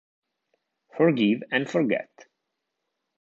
Forgive and Forget